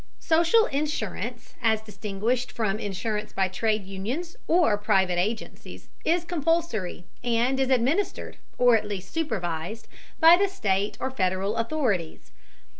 Social insurance, as distinguished from insurance by trade unions or private agencies, is compulsory, and is administered, or at least supervised, by the state or Federal authorities.